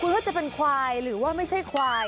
ว่าจะเป็นควายหรือว่าไม่ใช่ควาย